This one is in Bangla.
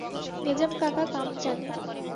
নেজাম কাকা কাম জানে।